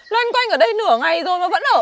loanh quanh ở đây nửa ngày rồi mà vẫn ở